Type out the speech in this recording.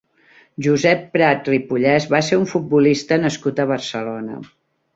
Josep Prat Ripollès va ser un futbolista nascut a Barcelona.